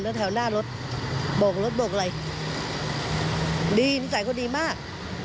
แล้วแถวหน้ารถโบกรถโบกอะไรดีนิสัยเขาดีมาก